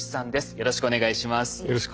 よろしくお願いします。